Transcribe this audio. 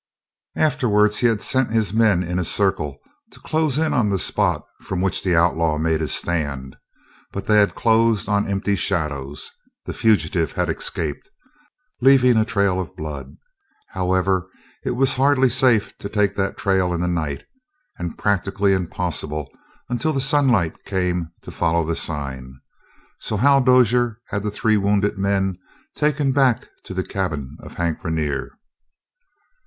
Afterward he had sent his men in a circle to close in on the spot from which the outlaw made his stand, but they had closed on empty shadows the fugitive had escaped, leaving a trail of blood. However, it was hardly safe to take that trail in the night, and practically impossible until the sunlight came to follow the sign. So Hal Dozier had the three wounded men taken back to the cabin of Hank Rainer.